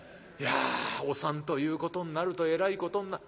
いやお産ということになるとえらいことに。